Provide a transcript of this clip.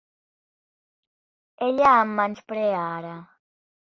Ella em menysprea ara.